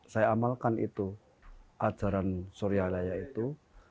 saya amalkan itu ajaran suryalaya itu